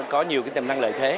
có nhiều tiềm năng lợi thế